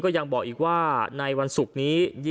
ยังบอกอีกว่าในวันศุกร์นี้